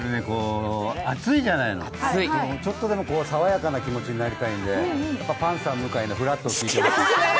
暑いじゃないの、ちょっとでも爽やかな気持ちになりたいので、パンサー・向井の「フラット」を聞いて。